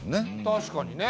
確かにね